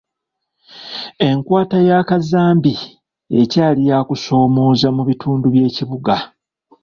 Enkwata ya kazambi ekyali yakusoomooza mu bitundu by'ekibuga.